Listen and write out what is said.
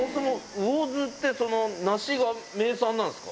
魚津って梨が名産なんですか。